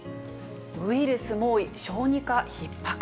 ウイルス猛威、小児科ひっ迫。